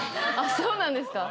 そうなんですか？